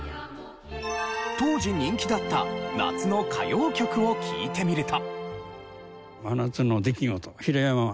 当時人気だった夏の歌謡曲を聞いてみると。